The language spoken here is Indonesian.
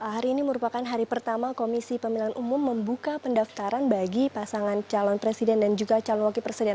hari ini merupakan hari pertama komisi pemilihan umum membuka pendaftaran bagi pasangan calon presiden dan juga calon wakil presiden